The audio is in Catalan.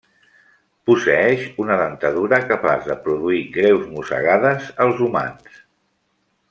Posseeix una dentadura capaç de produir greus mossegades als humans.